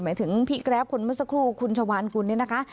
หมายถึงพี่แกรฟคนเมื่อสักครู่คุณชาวานกุลเนี่ยนะคะ